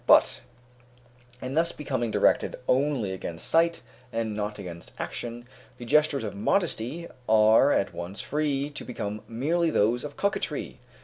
But in thus becoming directed only against sight, and not against action, the gestures of modesty are at once free to become merely those of coquetry.